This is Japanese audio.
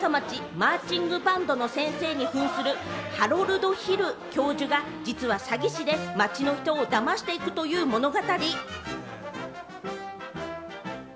マーチングバンドの先生に扮するハロルド・ヒル教授が実は詐欺師で、街の人をだましていくという物語。